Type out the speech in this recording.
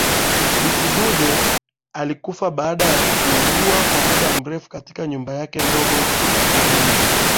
Bi Kidude alikufa baada ya kuugua kwa muda mrefu katika nyumba yake ndogo mjini